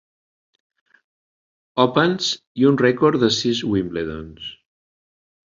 Opens, i un rècord de sis Wimbledons.